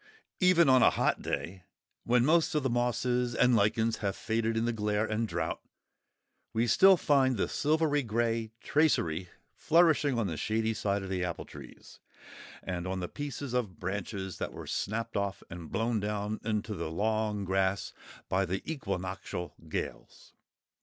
Even on a hot day, when most of the mosses and lichens have faded in the glare and drought, we still find the silvery grey tracery flourishing on the shady side of the apple trees, and on the pieces of branches that were snapped off and blown down into the long grass by the equinoctial gales.